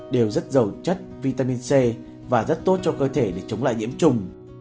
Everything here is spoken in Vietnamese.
đều rất giàu chất vitamin c và rất tốt cho cơ thể để chống lại nhiễm trùng